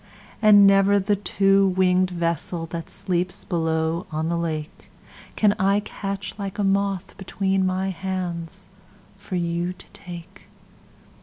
And never the two winged vesselThat sleeps below on the lakeCan I catch like a moth between my handsFor you to take.